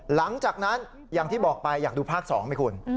หลังจากนั้นอย่างที่บอกไปอยากดูภาค๒ไหมคุณ